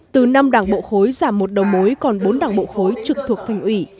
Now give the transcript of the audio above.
từ năm đảng bộ khối giảm một đầu mối còn bốn đảng bộ khối trực thuộc thành ủy